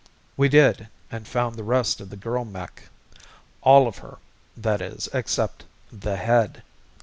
We did and found the rest of the girl mech. All of her, that is, except the head.